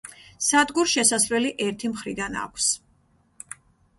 სადგურს შესასვლელი ერთი მხრიდან აქვს.